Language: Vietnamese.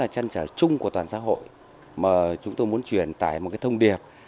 trăn trở chung của toàn xã hội mà chúng tôi muốn truyền tải một cái thông điệp